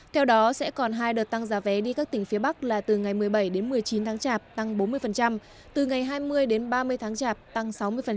theo đó sẽ còn hai đợt tăng giá vé đi các tỉnh phía bắc là từ ngày một mươi bảy đến một mươi chín tháng chạp tăng bốn mươi từ ngày hai mươi đến ba mươi tháng chạp tăng sáu mươi